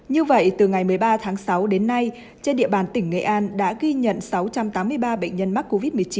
như vậy từ ngày một mươi ba tháng sáu đến nay trên địa bàn tỉnh nghệ an đã ghi nhận sáu trăm tám mươi ba bệnh nhân mắc covid một mươi chín